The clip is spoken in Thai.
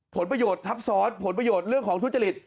ผลประโยชน์ทับซ้อนผลประโยชน์เรื่องของทุจริต